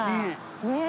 ねえ。